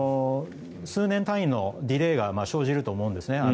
数年単位のディレーが生じると思うんですね。